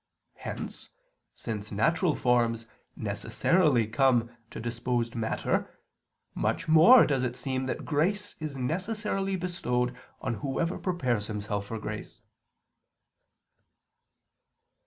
Hence, since natural forms necessarily come to disposed matter, much more does it seem that grace is necessarily bestowed on whoever prepares himself for grace.